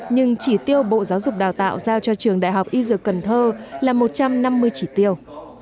nhưng chỉ tiêu bộ giáo dục đào tạo giao cho trường đại học y dược cần thơ là một trăm năm mươi chỉ tiêu